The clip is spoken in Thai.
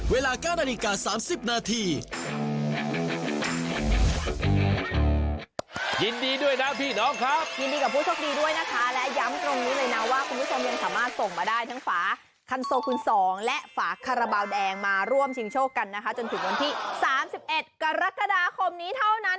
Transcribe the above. เวลาก้านอนิกา๓๐นาที